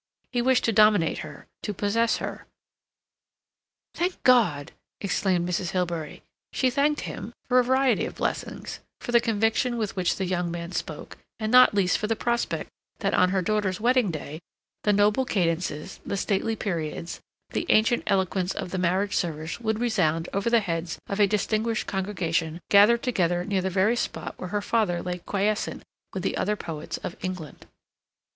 He wished to dominate her, to possess her. "Thank God!" exclaimed Mrs. Hilbery. She thanked Him for a variety of blessings: for the conviction with which the young man spoke; and not least for the prospect that on her daughter's wedding day the noble cadences, the stately periods, the ancient eloquence of the marriage service would resound over the heads of a distinguished congregation gathered together near the very spot where her father lay quiescent with the other poets of England.